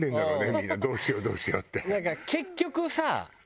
みんなどうしようどうしようって。